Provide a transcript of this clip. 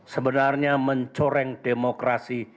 sebenarnya mencoreng demokrasi